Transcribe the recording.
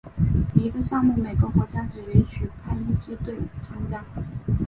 一个项目每个国家只允许派一支队参加。